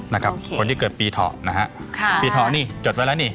๑๙๒๑๒๓นะครับคนที่เกิดปีถอดนะฮะปีถอดนี่จดไว้แล้วนี่